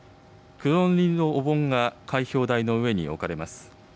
黒塗りのお盆が開票台の上に置かれます。